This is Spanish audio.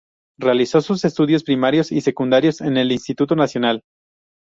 Realizó sus estudios primarios y secundarios en el Instituto Nacional.